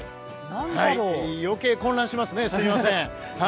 余計混乱しますね、すいません。